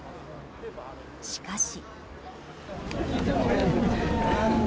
しかし。